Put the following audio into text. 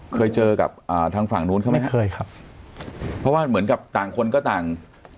เคยเจอกับอ่าทางฝั่งนู้นเขาไหมครับเคยครับเพราะว่าเหมือนกับต่างคนก็ต่าง